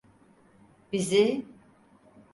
Bizi…